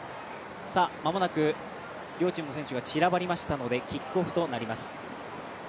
間もなく両チーム選手が散らばりましたのでキックオフとなります。